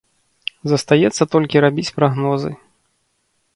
Застаецца толькі рабіць прагнозы.